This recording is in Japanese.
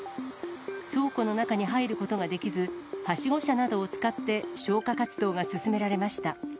倉庫の中に入ることができず、はしご車などを使って消火活動が進められました。